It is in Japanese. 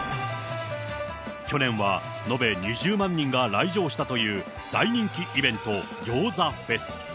去年は延べ２０万人が来場したという、大人気イベント、餃子フェス。